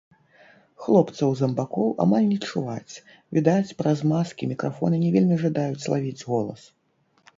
Хлопцаў-замбакоў амаль не чуваць, відаць, праз маскі мікрафоны не вельмі жадаюць лавіць голас.